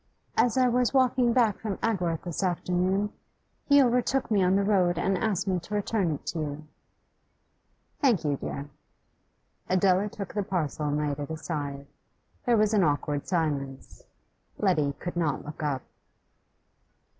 'As I was walking back from Agworth this afternoon, he overtook me on the road and asked me to return it to you.' 'Thank you, dear.' Adela took the parcel and laid it aside. There was an awkward silence. Letty could not look up.